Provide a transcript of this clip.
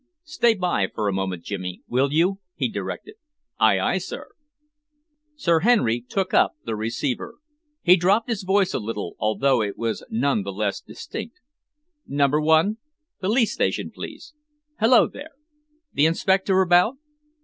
"Stand by for a moment, Jimmy, will you?" he directed. "Aye, aye, sir!" Sir Henry took up the receiver. He dropped his voice a little, although it was none the less distinct. "Number one police station, please. Hullo there! The inspector about?